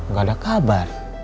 gak ada kabar